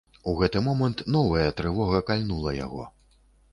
У гэты момант новая трывога кальнула яго.